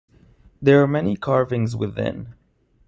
There are many carvings within.